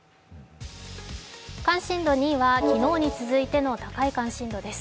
関心度２位は昨日に続いての高い関心度です。